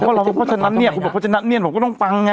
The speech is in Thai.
อ้าวเพราะฉะนั้นเนี้ยเพราะฉะนั้นเนี้ยผมก็ต้องฟังไง